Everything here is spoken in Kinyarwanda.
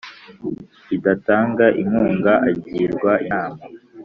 Idatanga inkunga agirwa inama